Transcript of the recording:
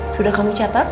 sudah kamu catat